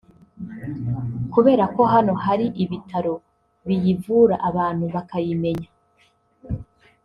Kubera ko hano hari ibitaro biyivura abantu bakayimenya